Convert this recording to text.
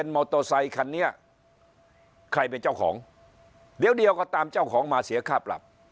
มอเตอร์ไซคันนี้ใครเป็นเจ้าของเดี๋ยวเดียวก็ตามเจ้าของมาเสียค่าปรับ